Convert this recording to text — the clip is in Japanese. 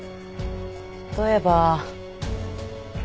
例えば。